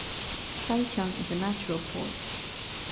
Taicang is a natural port.